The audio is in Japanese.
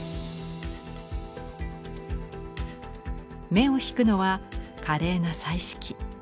目を引くのは華麗な彩色。